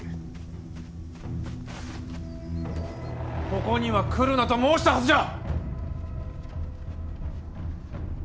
ここには来るなと申したはずじゃ！